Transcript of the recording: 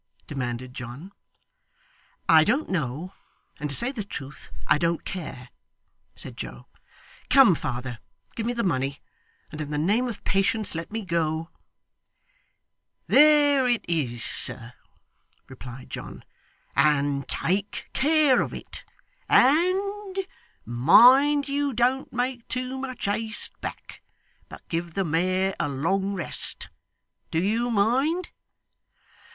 demanded John. 'I don't know, and to say the truth, I don't care,' said Joe. 'Come, father, give me the money, and in the name of patience let me go.' 'There it is, sir,' replied John; 'and take care of it; and mind you don't make too much haste back, but give the mare a long rest. Do you mind?